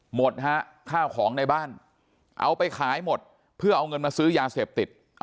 หมดฮะข้าวของในบ้านเอาไปขายหมดเพื่อเอาเงินมาซื้อยาเสพติด